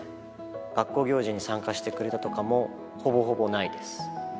学校行事に参加してくれたとかもほぼほぼないです。